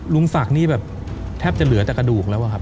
ลุงศักดิ์นี่แบบแทบจะเหลือแต่กระดูกแล้วอะครับ